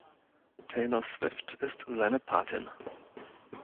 Taylor Swift ist seine Patin.